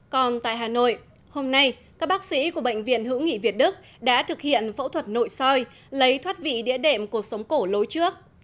còn tại hà nội hôm nay các bác sĩ của bệnh viện hữu nghị việt đức đã thực hiện phẫu thuật nội soi lấy thoát vị địa đệm cuộc sống cổ lối trước